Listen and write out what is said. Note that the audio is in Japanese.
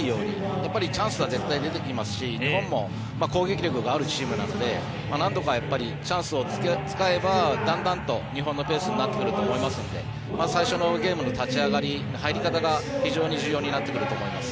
やっぱりチャンスは絶対出てきますし、日本も攻撃力があるチームなのでなんとかチャンスをつかめばだんだんと日本のペースになってくると思いますので最初のゲームの立ち上がり、入り方が非常に重要になってくると思います。